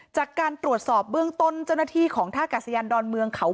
จากการตรวจสอบเบื้องต้นเจ้าหน้าที่ของท่ากาศยานดอนเมืองเขา